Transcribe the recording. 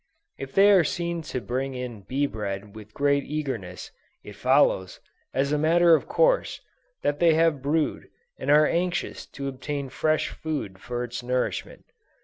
If they are seen to bring in bee bread with great eagerness, it follows, as a matter of course, that they have brood, and are anxious to obtain fresh food for its nourishment.